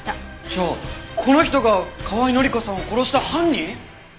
じゃあこの人が河合範子さんを殺した犯人！？